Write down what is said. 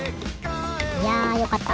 いやよかった。